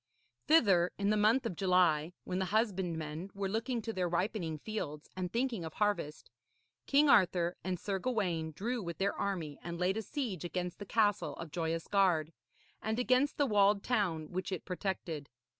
Thither, in the month of July, when the husbandmen were looking to their ripening fields and thinking of harvest, King Arthur and Sir Gawaine drew with their army and laid a siege against the castle of Joyous Gard, and against the walled town which it protected.